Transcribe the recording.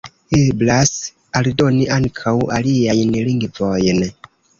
Eblas aldoni ankaŭ aliajn lingvojn.